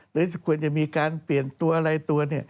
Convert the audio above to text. หรือควรจะมีการเปลี่ยนตัวอะไรตัว